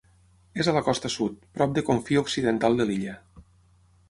És a la costa sud, prop de confí occidental de l'illa.